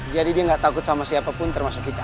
jadi dia gak takut sama siapapun termasuk kita